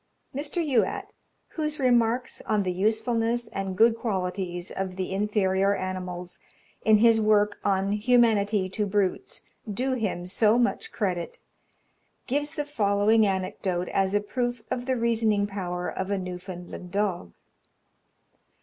Mr. Youatt, whose remarks on the usefulness and good qualities of the inferior animals, in his work on Humanity to Brutes, do him so much credit, gives the following anecdote as a proof of the reasoning power of a Newfoundland dog.